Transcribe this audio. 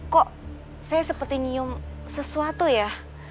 kok saya seperti nyium sesuatu ya